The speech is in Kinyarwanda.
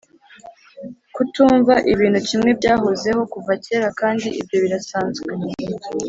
kutumva ibintu kimwe byahozeho kuva kera kandi ibyo birasanzwe